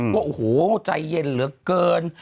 ว่าโอ้โหใจเย็นเหลือเกิน